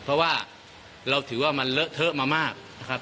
เพราะว่าเราถือว่ามันเลอะเทอะมามากนะครับ